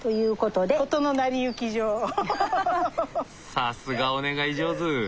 さすがお願い上手。